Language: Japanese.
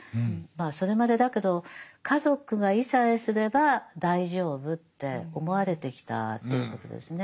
それまでだけど家族がいさえすれば大丈夫って思われてきたということですね。